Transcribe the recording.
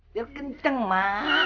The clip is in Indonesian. biar kenceng mak